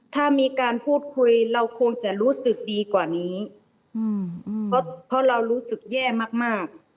ถ้ามีการพูดคุยเราคงจะรู้สึกดีกว่านี้เพราะเรารู้สึกแย่มาก